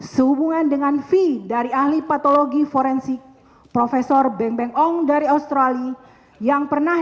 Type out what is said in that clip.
sehubungan dengan v dari ahli patologi forensik prof beng beng ong dari australia yang pernah